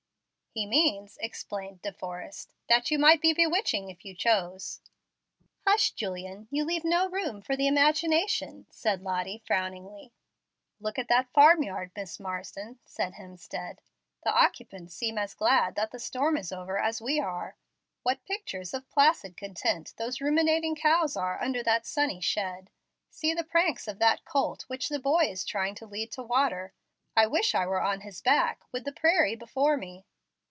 "He means," explained De Forrest, "that you might be bewitching if you chose." "Hush, Julian, you leave no room for the imagination," said Lottie, frowningly. "Look at that farm yard, Miss Marsden," said Hemstead. "The occupants seem as glad that the storm is over as we are. What pictures of placid content those ruminating cows are under that sunny shed. See the pranks of that colt which the boy is trying to lead to water. I wish I were on his back, with the prairie before me."